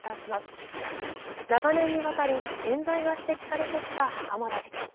長年にわたり、えん罪が指摘されてきた袴田事件。